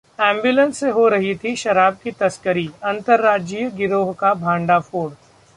ambulance से हो रही थी शराब की तस्करी, अंतरराज्यीय गिरोह का भंडाफोड़